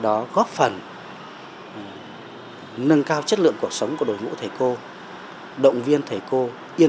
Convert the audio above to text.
để tạo ra những điều kiện để tạo ra những điều kiện để tạo ra những điều kiện